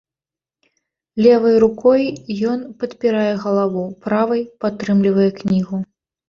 Левай рукой ён падпірае галаву, правай падтрымлівае кнігу.